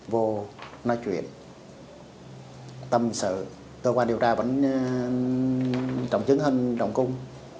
vô nói chuyện tâm sự cơ quan điều tra vẫn trọng chứng hơn động cung